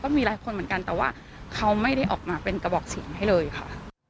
มีหลายคนเหมือนกันแต่ว่าเขาไม่ได้ออกมาเป็นกระบอกเสียงให้เลยค่ะ